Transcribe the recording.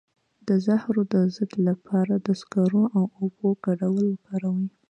د زهرو د ضد لپاره د سکرو او اوبو ګډول وکاروئ